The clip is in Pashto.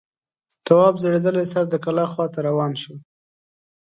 تواب ځړېدلی سر د کلا خواته روان شو.